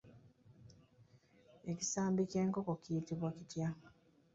Ekisambi ky'enkoko kiyitibwa kitya?